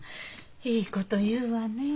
いいこと言うわねえ。